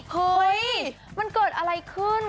เฮ้ยมันเกิดอะไรขึ้น